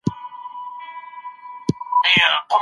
زغم د بري راز دی.